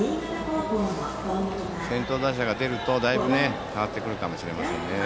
先頭打者が出ると変わってくるかもしれないです。